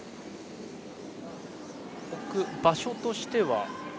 置く場所としては？